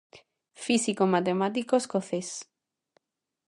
Físico e matemático escocés.